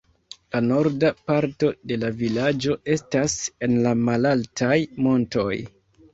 La norda parto de la vilaĝo estas en la malaltaj montoj.